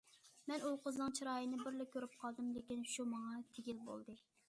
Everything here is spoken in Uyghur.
مەن ئۇ قىزنىڭ چىرايىنى بىرلا كۆرۈپ قالدىم، لېكىن شۇ ماڭا تېگىل بولدى.